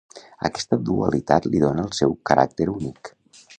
Aquesta dualitat li dóna el seu caràcter únic.